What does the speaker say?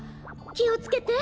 きをつけて。